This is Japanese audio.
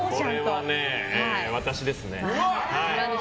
これは私ですね。